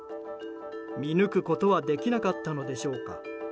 見抜くことはできなかったのでしょうか。